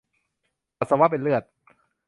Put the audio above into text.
ปัสสาวะเป็นเลือด